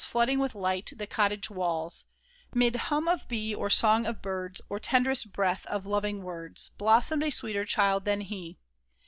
Flooding with light the cottage walls, 'Mid hum of bee, or song of birds. Or tenderest breath of loving words, Blossomed a sweeter child than he